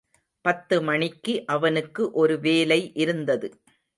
பத்து மணிக்கு அவனுக்கு ஒரு வேலை இருந்தது.